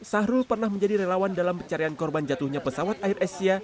sahrul pernah menjadi relawan dalam pencarian korban jatuhnya pesawat air asia